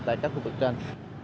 tại các khu vực trên